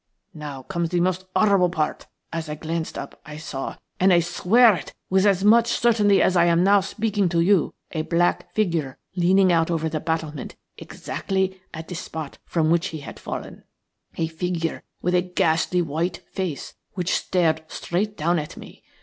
Now comes the most horrible part. As I glanced up I saw, and I swear it with as much certainty as I am now speaking to you, a black figure leaning out over the battlement exactly at the spot from which he had fallen – a figure with a ghastly white face, which stared straight down at me.